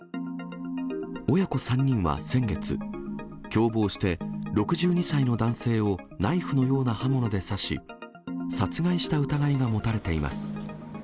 親子３人は先月、共謀して６２歳の男性をナイフのような刃物で刺し、殺害した疑いが持たれています。